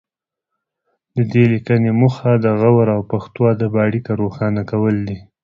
د دې لیکنې موخه د غور او پښتو ادب اړیکه روښانه کول دي